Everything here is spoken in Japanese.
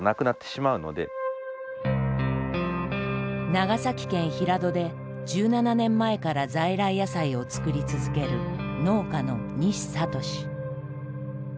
長崎県平戸で１７年前から在来野菜を作り続ける農家の西聡。